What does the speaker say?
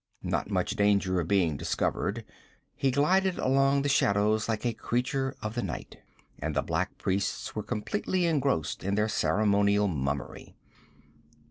Not much danger of being discovered. He glided along the shadows like a creature of the night, and the black priests were completely engrossed in their ceremonial mummery.